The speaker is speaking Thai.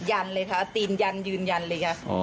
ยันเลยค่ะตีนยันยืนยันเลยค่ะ